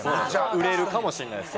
売れるかもしれないです